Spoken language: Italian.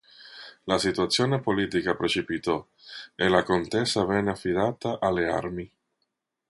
La situazione politica precipitò, e la contesa venne affidata alle armi.